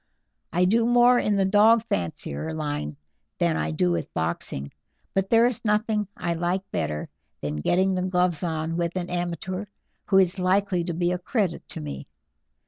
I do more in the dog fancier line than I do with boxing, but there is nothing I like better than getting the gloves on with an amateur who is likely to be a credit to me.